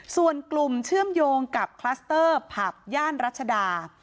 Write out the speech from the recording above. ส่วนกลุ่มเชื่อมโยงกับคลัสเตอร์ผับย่านรัชดา